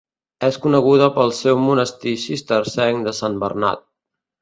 És coneguda pel seu monestir cistercenc de Sant Bernat.